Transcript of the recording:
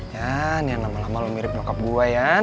yan yan lama lama lu mirip bokap gua yan